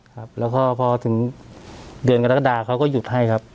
ครับแล้วก็พอถึงเดือนกรกฎาเขาก็หยุดให้ครับ